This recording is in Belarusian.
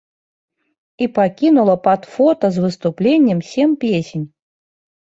І пакінула пад фота з выступлення сем песень.